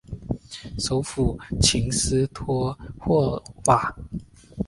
首府琴斯托霍瓦。